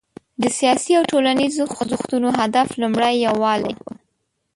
د سیاسي او ټولنیزو خوځښتونو هدف لومړی یووالی و.